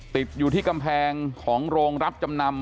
ติดอยู่ที่กำแพงของโรงรับจำนำ